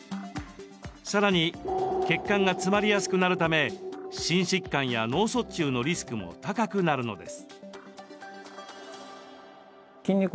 さらに血管が詰まりやすくなるため、心疾患や脳卒中のリスクも高くなるのです。